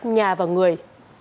nhà và người